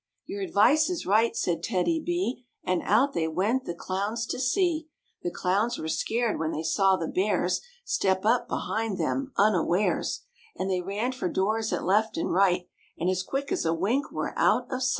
"Your advice is right," said TEDDY B, And out they went the clowns to see. The clowns were scared when they saw the Bears Step up behind them unawares, And they ran for doors at left and right And as quick as wink were out of sight Copyright, 1907, by Edward Stern & Co,, Inc.